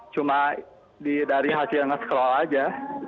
cuma dari hasil yang nge scroll aja